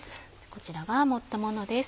こちらが盛ったものです。